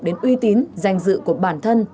đến uy tín danh dự của bản thân